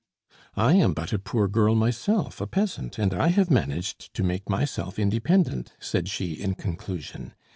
"I am but a poor girl myself, a peasant, and I have managed to make myself independent," said she in conclusion.